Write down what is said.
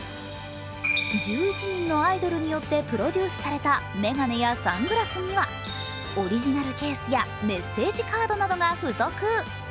１１人のアイドルによってプロデュースされた眼鏡やサングラスにはオリジナルケースやメッセージカードなどが付属。